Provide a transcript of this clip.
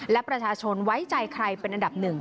และประชาชนไว้ใจใครเป็นอันดับหนึ่ง